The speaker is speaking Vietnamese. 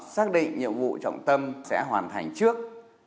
xác định nhiệm vụ trọng tâm sẽ hoàn thành trước